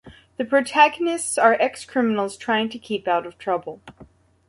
The protagonists are ex-criminals trying to keep out of trouble.